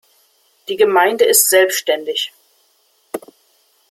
Die Gemeinde ist selbständig.